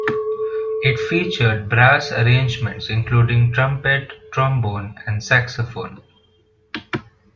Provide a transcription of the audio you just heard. It featured brass arrangements including trumpet, trombone and saxophone.